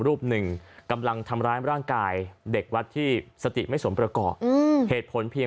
รูปหนึ่งกำลังทำร้ายร่างกายเด็กวัดที่สติไม่สมประกอบเหตุผลเพียง